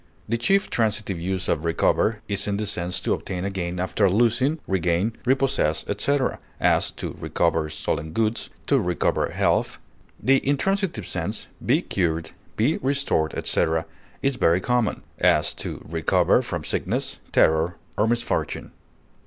The chief transitive use of recover is in the sense to obtain again after losing, regain, repossess, etc.; as, to recover stolen goods; to recover health. The intransitive sense, be cured, be restored, etc., is very common; as, to recover from sickness, terror, or misfortune.